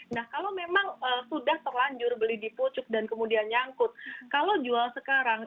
nah kalau memang sudah terlanjur beli di pucuk dan kemudian nyangkut kalau jual sekarang